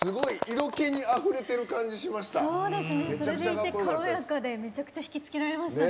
色気にあふれてる感じしました。